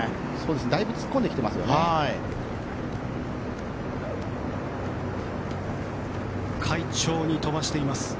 だいぶ突っ込んできていますね。